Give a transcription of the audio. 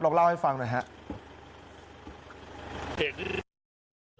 เราก็เล่าให้ฟังนะครับ